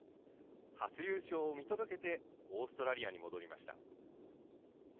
初優勝を見届けて、オーストラリアに戻りました。